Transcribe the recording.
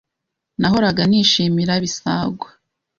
Nahoraga nishimira Bisangwa.